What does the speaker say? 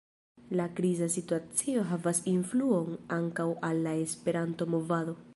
La kriza situacio havas influon ankaŭ al la Esperanto-movado.